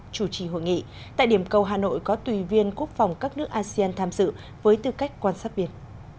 chủ trì hội nghị tại điểm cầu hà nội có tùy viên quốc phòng các nước asean tham dự với tư cách quan sát biệt